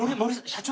社長！